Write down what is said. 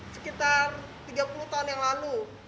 sekitar tiga puluh tahun yang lalu